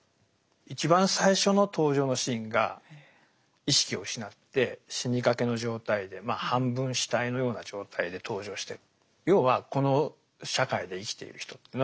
一番最初の登場のシーンが意識を失って死にかけの状態でまあ半分死体のような状態で登場してる。